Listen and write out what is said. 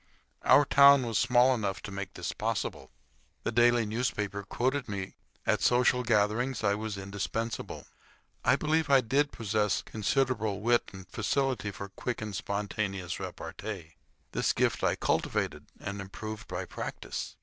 Our town was small enough to make this possible. The daily newspaper quoted me. At social gatherings I was indispensable. I believe I did possess considerable wit and a facility for quick and spontaneous repartee. This gift I cultivated and improved by practice.